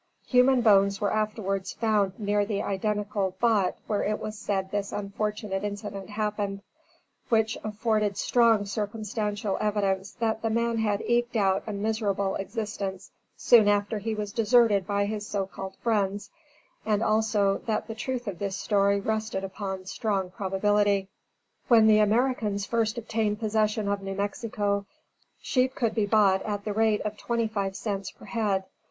Human bones were afterwards found near the identical spot where it was said this unfortunate incident happened, which afforded strong circumstantial evidence that the man had eked out a miserable existence soon after he was deserted by his so called friends, and also, that the truth of this story rested upon strong probability. When the Americans first obtained possession of New Mexico, sheep could be bought at the rate of twenty five cents per head.